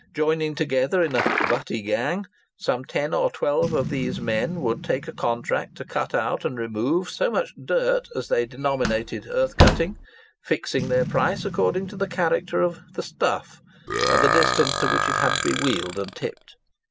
Joining together in a "butty gang," some ten or twelve of these men would take a contract to cut out and remove so much "dirt"—as they denominated earth cutting—fixing their price according to the character of the "stuff," and the distance to which it had to be wheeled and tipped.